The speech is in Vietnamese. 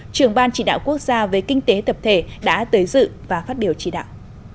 trưởng ban chỉ đạo quốc gia về kinh tế tập thể đã tới dự và phát biểu chỉ đạo